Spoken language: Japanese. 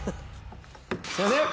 すいません。